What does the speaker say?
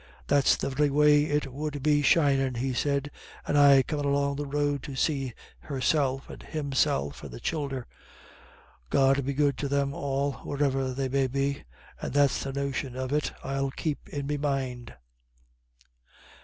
"That's the very way it would be shinin'," he said, "and I comin' along the road to see Herself and Himself and the childer God be good to them all, wherever they may be. And that's the notion of it I'll keep in me mind."